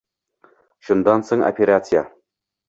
Shundan so'ng operatsiya